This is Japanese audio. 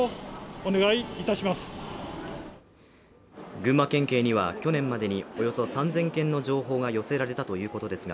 群馬県警には去年までにおよそ３０００件の情報が寄せられたということですが